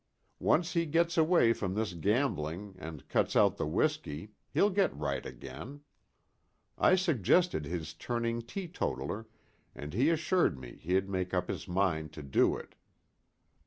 Once he gets away from this gambling, and cuts out the whiskey, he'll get right again. I suggested his turning teetotaler, and he assured me he'd made up his mind to it.